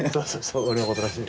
俺のことらしい。